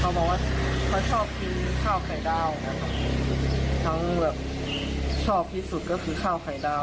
เขาบอกว่าเขาชอบกินข้าวไข่ดาวทั้งชอบที่สุดก็คือข้าวไข่ดาว